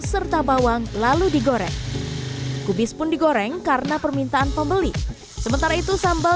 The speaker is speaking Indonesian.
serta bawang lalu digoreng kubis pun digoreng karena permintaan pembeli sementara itu sambal